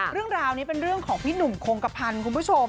เรื่องราวนี้เป็นเรื่องของพี่หนุ่มโคงกระพันธ์คุณผู้ชม